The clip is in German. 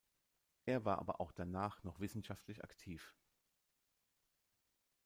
Er war aber auch danach noch wissenschaftlich aktiv.